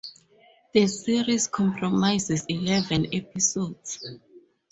The series comprises eleven episodes.